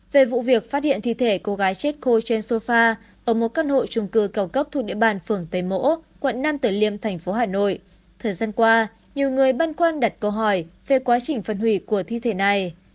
về vụ việc phát hiện thi thể cô gái chết cô trên sofa ở một căn hộ trung cư cao cấp thuộc địa bàn phường tây mỗ quận năm tử liêm thành phố hà nội thời gian qua nhiều người băn khoăn đặt câu hỏi về quá trình phân hủy của thi thể này